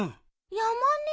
山根。